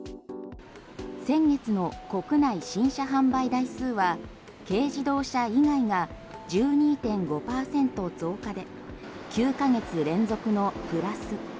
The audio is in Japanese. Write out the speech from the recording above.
先月の国内新車販売台数は軽自動車以外が１２．５％増加で９ヶ月連続のプラス。